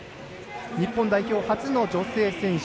日本代表初の女性選手。